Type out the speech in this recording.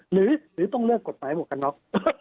หรือต้องเลือกกฎหมายหมวกกันน็อก